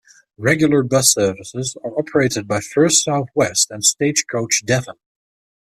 Regular bus services are operated by First South West and Stagecoach Devon.